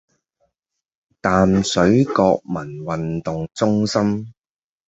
淡水國民運動中心